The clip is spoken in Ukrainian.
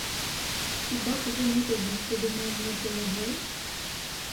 Хіба б же ми тобі, ти думаєш, не помогли?